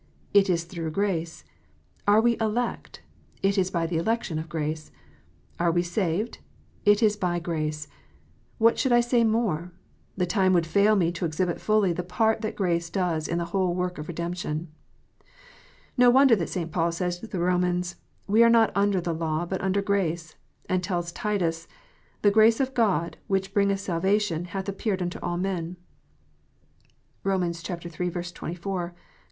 it is through grace. Are we elect ? it is by the election of grace. Are we saved 1 it is by g race . "VVhy should I say more ? The time would fail me to exhibit fully the part that grace does in the whole work of redemption. Xo wonder that St. Paul says to the Romans, " We are not under the law, but under grace ;" and tells Titus, " The grace of God, which bringeth salvation, hath appeared unto all men." (Rom. iii. 24; Gal. i.